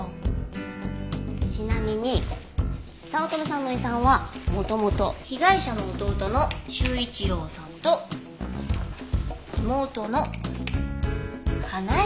ちなみに早乙女さんの遺産は元々被害者の弟の修一郎さんと妹の英恵さんに渡るはずでした。